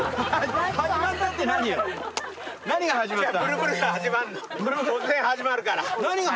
何がはじまったの？